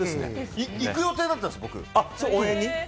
行く予定だったんです、僕。